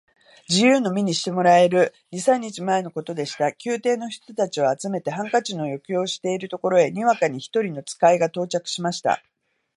自由の身にしてもらえる二三日前のことでした。宮廷の人たちを集めて、ハンカチの余興をしているところへ、にわかに一人の使が到着しました。